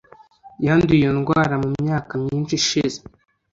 Yanduye iyo ndwara mu myaka myinshi ishize